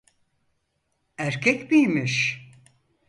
Erkek miymiş?